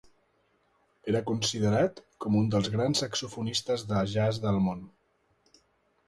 Era considerat com un dels grans saxofonistes de jazz del món.